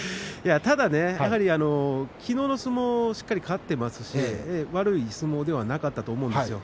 ただね、きのうの相撲しっかり勝っていますし悪い相撲ではなかったと思うんですよ。